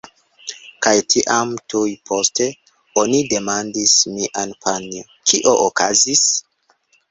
Kaj tiam, tuj poste, oni demandis mian panjon "kio okazis?"